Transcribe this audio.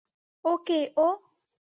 ও কে ও!